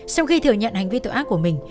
sau khi thừa nhận hành vi tội ác của mình